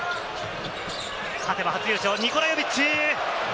勝てば初優勝、ニコラ・ヨビッチ。